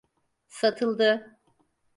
Satıldı…